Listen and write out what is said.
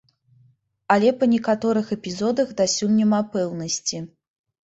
Але па некаторых эпізодах дасюль няма пэўнасці.